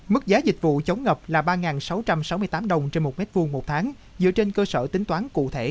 mức giá dịch vụ chống ngập là ba sáu trăm sáu mươi tám đồng trên một m hai một tháng dựa trên cơ sở tính toán cụ thể